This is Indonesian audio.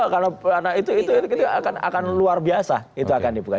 karena itu akan luar biasa itu akan dibuka